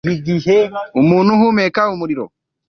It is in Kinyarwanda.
umuntu ahumeka umuriro